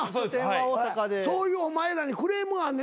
そういうお前らにクレームあんねんな。